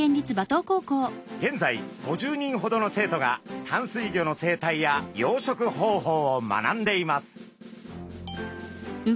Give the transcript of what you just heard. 現在５０人ほどの生徒が淡水魚の生態や養殖方法を学んでいます。